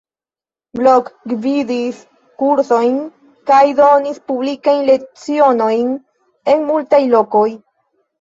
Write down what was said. Blok gvidis kursojn kaj donis publikajn lecionojn en multaj lokoj.